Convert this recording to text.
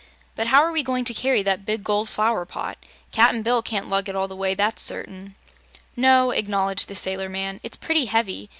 But how are we going to carry that big gold flower pot? Cap'n Bill can't lug it all the way, that's certain." "No," acknowledged the sailor man; "it's pretty heavy.